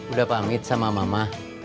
udah pamit sama mama